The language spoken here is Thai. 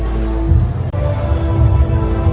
สโลแมคริปราบาล